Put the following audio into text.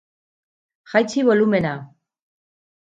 Jaitsi bolumena.